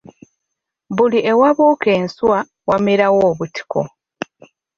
Buli ewabuuka enswa wamerawo obutiko.